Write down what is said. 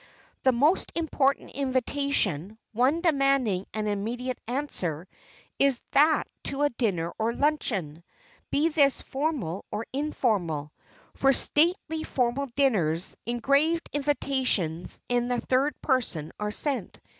The most important invitation,—one demanding an immediate answer,—is that to a dinner or luncheon, be this formal or informal. For stately formal dinners, engraved invitations in the third person are sent.